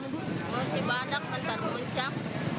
mau cibadak nanti puncak